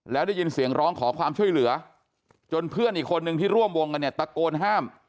แล้วได้ยินเสียงร้องขอความช่วยเหลือจนเพื่อนอีกคนนึงที่ร่วมวงกันเนี่ยตะโกนห้าม